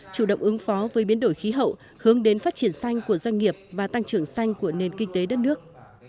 chủ động ứng phó với biến đổi khí hậu hướng đến phát triển xanh của doanh nghiệp và tăng trưởng xanh của nền kinh tế đất nước